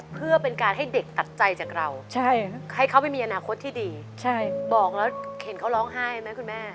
เพื่อเป็นการให้เด็กตัดใจจากเราให้เขาไปมีอนาคตที่ดีบอกแล้วเห็นเขาร้องไห้ไหมคุณแม่